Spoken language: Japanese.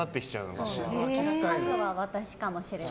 家具は私かもしれない。